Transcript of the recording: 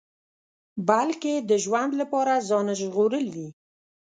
بلکې د ژوند لپاره ځان ژغورل دي.